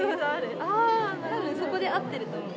多分そこで合ってると思う。